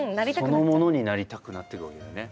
そのものになりたくなってくわけだよね。